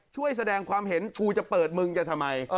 ช่วยแสดงความเห็นกูจะเปิดมึงจะทำไม